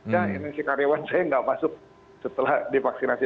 ya ini si karyawan saya nggak masuk setelah divaksinasi